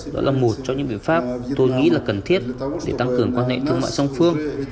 đó là một trong những biện pháp tôi nghĩ là cần thiết để tăng cường quan hệ thương mại song phương